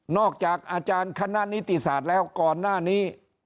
อาจารย์คณะนิติศาสตร์แล้วก่อนหน้านี้